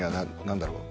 何だろう。